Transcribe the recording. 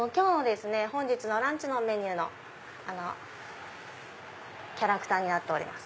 本日のランチのメニューのキャラクターになっております。